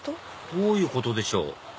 どういうことでしょう？